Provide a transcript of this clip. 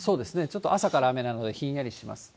ちょっと朝から雨なので、ひんやりします。